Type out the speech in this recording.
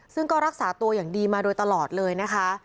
ซึ่งก็รักษาตัวอย่างดีมาโดยตลอดเลยนะคะ